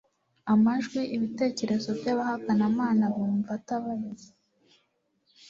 amajwi ibitekerezo byabahakanamana bumva atabizi